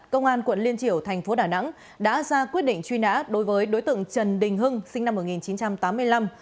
công an quận liên triểu thành phố đà nẵng đã ra quyết định truy nã đối với đối tượng trần đình hưng sinh năm một nghìn chín trăm tám mươi năm